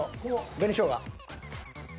紅しょうが。